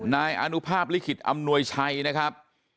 นายอนุภาพลิขิตอำนวยชัยนะครับ